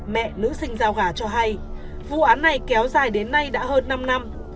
mẹ nữ sinh giao gà cho hay vụ án này kéo dài đến nay đã hơn năm năm